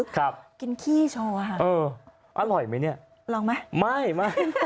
ครับเอออร่อยไหมเนี้ยลองไหมไม่ไม่